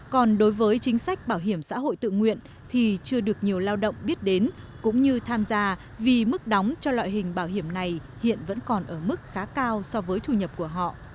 còn đối với chính sách bảo hiểm xã hội tự nguyện thì chưa được nhiều lao động biết đến cũng như tham gia vì mức đóng cho loại hình bảo hiểm này hiện vẫn còn ở mức khá cao so với thu nhập của họ